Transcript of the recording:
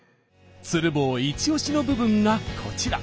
鶴房イチオシの部分がこちら。